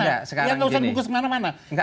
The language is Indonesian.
dia nggak usah dibungkus kemana mana